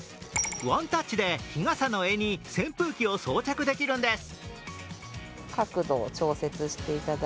ワンタッチで日傘の柄に扇風機を装着できるんです。